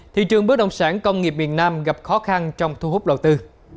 thị trường bất động sản công nghiệp miền nam gặp khó khăn trong thu hút đầu tư